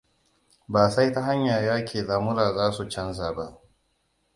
Ba sai ta hanyar yaki lamura za su canza ba.